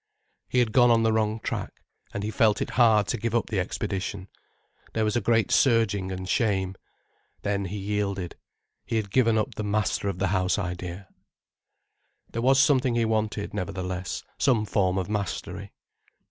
He had gone on the wrong tack, and he felt it hard to give up the expedition. There was great surging and shame. Then he yielded. He had given up the master of the house idea. There was something he wanted, nevertheless, some form of mastery.